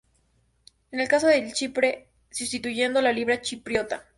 En el caso de Chipre, sustituyendo a la libra chipriota.